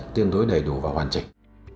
tương đối đầy đủ và hoàn chỉnh